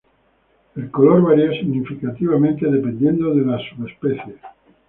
El color varía significativamente dependiendo de la subespecie.